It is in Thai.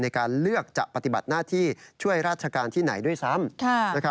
ในการเลือกจะปฏิบัติหน้าที่ช่วยราชการที่ไหนด้วยซ้ำ